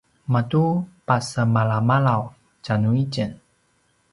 matu pasemalamalav tjanuitjen